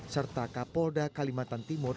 serta kapolda kalimantan timur